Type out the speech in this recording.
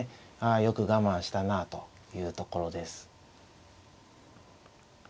あよく我慢したなあというところです。